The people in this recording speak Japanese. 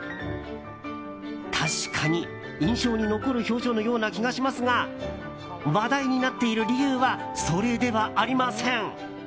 確かに印象に残る表情のような気がしますが話題になっている理由はそれではありません。